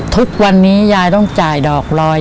ทุกวันนี้ยายต้องจ่ายดอกลอย